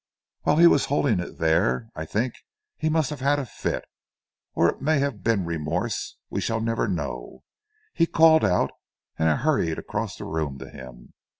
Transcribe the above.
While he was holding it there, I think that he must have had a fit, or it may have been remorse, we shall never know. He called out and I hurried across the room to him.